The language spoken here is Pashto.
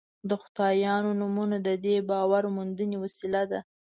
د خدایانو نومونه د دې باور موندنې وسیله ده.